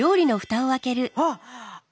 あっ！